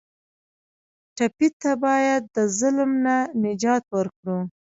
ټپي ته باید د ظلم نه نجات ورکړو.